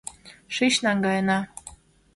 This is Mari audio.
— Шич, наҥгаена.